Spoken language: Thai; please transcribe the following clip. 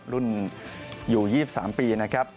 รุ่นอยู่๒๓ปีนะครับ